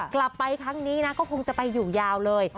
กลับไปครั้งนี้นะก็คงจะไปอยู่ยาวเลย